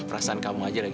perasaan kamu aja lagi